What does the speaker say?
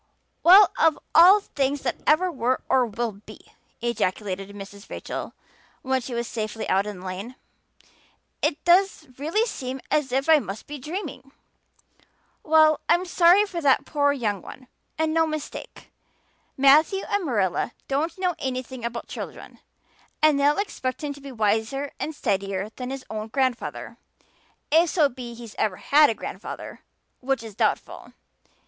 "Well, of all things that ever were or will be!" ejaculated Mrs. Rachel when she was safely out in the lane. "It does really seem as if I must be dreaming. Well, I'm sorry for that poor young one and no mistake. Matthew and Marilla don't know anything about children and they'll expect him to be wiser and steadier that his own grandfather, if so be's he ever had a grandfather, which is doubtful.